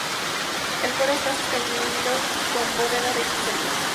El coro está sostenido con bóveda de crucería.